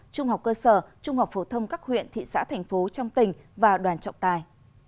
trung học cơ sở trung học phổ thông các huyện thị xã thành phố trong tỉnh và đoàn trọng tài